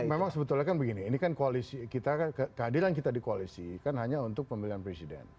memang sebetulnya kan begini ini kan kehadiran kita di koalisi kan hanya untuk pemilihan presiden